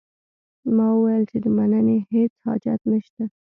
ما وویل چې د مننې هیڅ حاجت نه شته.